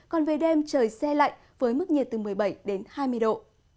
còn về đêm trời xe lạnh với mức nhiệt từ một mươi bảy đến hai mươi độ